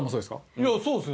いやそうですね。